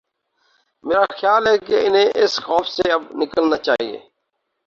میرا خیال ہے کہ انہیں اس خوف سے اب نکلنا چاہیے۔